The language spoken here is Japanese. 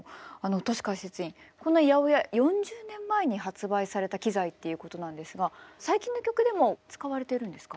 トシかいせついんこの８０８４０年前に発売された機材っていうことなんですが最近の曲でも使われてるんですか？